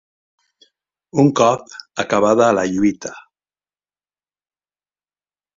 Un cop acabada la lluita